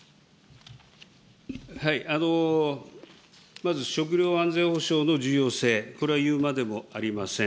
まず食料安全保障の重要性、これは言うまでもありません。